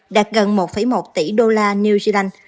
đạt gần một một tỷ đô la new zealand